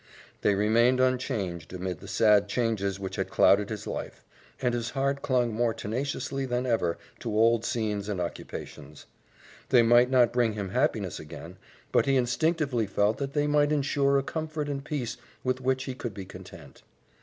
They remained unchanged amid the sad changes which had clouded his life, and his heart clung more tenaciously than ever to old scenes and occupations. They might not bring him happiness again, but he instinctively felt that they might insure a comfort and peace with which he could be content.